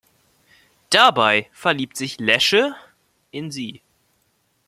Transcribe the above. Dabei verliebt sich Lecce in sie.